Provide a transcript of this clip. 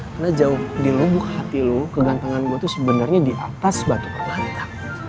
karena jauh di lubuk hati lo kegantengan gue tuh sebenernya di atas batu permata